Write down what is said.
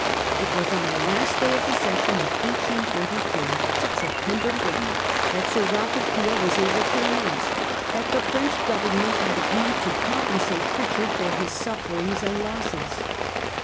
It was on the last day of the session of 1844, September 5, that Sir Robert Peel was able to announce that the French Government had agreed to compensate Prit chard for his sufferings and losses.